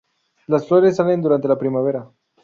Las flores salen durante la primavera.